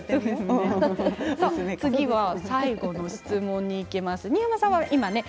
最後の質問にいきます。